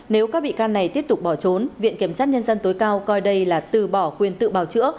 nếu các bị can này tiếp tục bỏ trốn viện kiểm sát nhân dân tối cao coi đây là từ bỏ quyền tự bào chữa